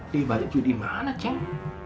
di balikju dimana ceng